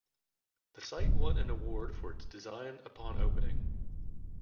The site won an award for its design upon opening.